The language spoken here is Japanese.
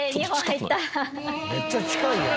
めっちゃ近いやん。